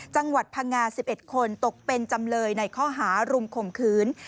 จังหวัดพังงา๑๑คนตกเป็นจำเลยในข้อหารุมข่มขืน